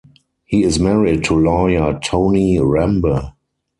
He is married to lawyer Toni Rembe.